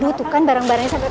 dutukan barang barangnya saya